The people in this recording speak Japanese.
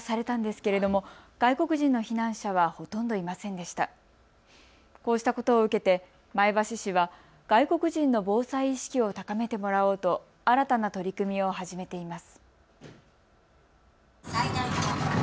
こうしたことを受けて前橋市は外国人の防災意識を高めてもらおうと新たな取り組みを始めています。